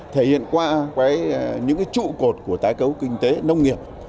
thể hiện qua những trụ cột của tái cấu kinh tế nông nghiệp